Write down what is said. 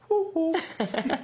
アハハハ。